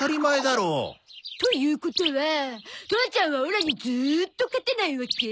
ということは父ちゃんはオラにずっと勝てないわけ？